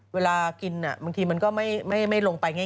เวลากินบางทีมันก็ไม่ลงไปง่าย